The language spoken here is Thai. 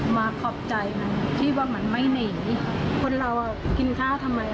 ขอบใจมันที่ว่ามันไม่หนีคนเราอ่ะกินข้าวทำไม